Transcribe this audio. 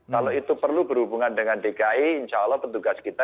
kalau itu perlu berhubungan dengan dki insya allah petugas kita